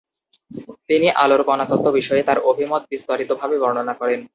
তিনি আলোর কণা তত্ত্ব বিষয়ে তার অভিমত বিস্তারিতভাবে বর্ণনা করেন।